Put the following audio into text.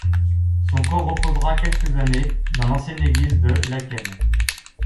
Son corps reposera quelques années dans l'ancienne église de Laeken.